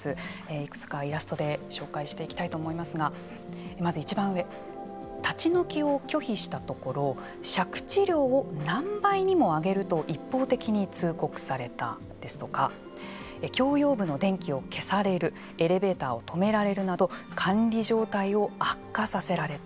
いくつかイラストで紹介していきたいと思いますがまずいちばん上立ち退きを拒否したところ借地料を何倍にも上げると一方的に通告されたですとか共用部の電気を消されるエレベーターを止められるなど管理状態を悪化させられた。